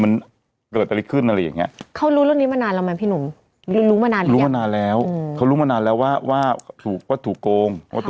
คือคือคือคือบอลด้วยที่พาเห็นร้องไห้เพราะมันต่อยอดใน